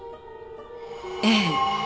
ええ。